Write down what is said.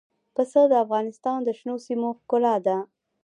پسه د افغانستان د شنو سیمو ښکلا ده.